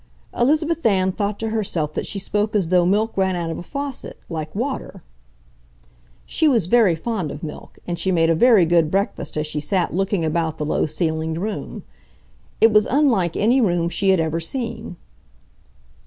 Elizabeth Ann thought to herself that she spoke as though milk ran out of a faucet, like water. She was very fond of milk, and she made a very good breakfast as she sat looking about the low ceilinged room. It was unlike any room she had ever seen.